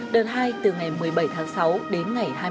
đợt hai từ ngày một mươi bảy tháng sáu đến ngày hai mươi tám tháng sáu